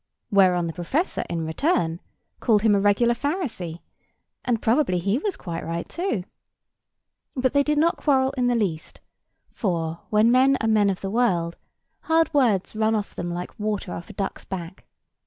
Whereon the professor, in return, called him a regular Pharisee; and probably he was quite right too. But they did not quarrel in the least; for, when men are men of the world, hard words run off them like water off a duck's back.